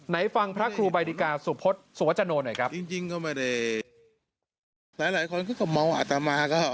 ฟังพระครูบายดิกาสุพศสุวจโนหน่อยครับ